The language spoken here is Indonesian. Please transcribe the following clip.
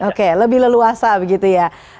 oke lebih leluasa begitu ya